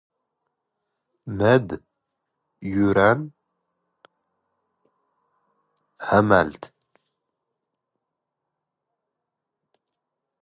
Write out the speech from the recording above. ⵎⴰⴷ ⵢⵓⵔⴰⵏ ⵀⴰⵎⴰⵍⵜ?